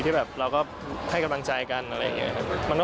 แบบเราก็ให้กำลังใจกันอะไรอย่างนี้ครับ